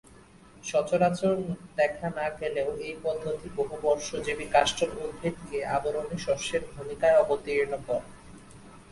সচরাচর দেখা না গেলেও এই পদ্ধতি বহুবর্ষজীবী কাষ্ঠল উদ্ভিদকে আবরণী-শস্যের ভূমিকায় অবতীর্ণ করে।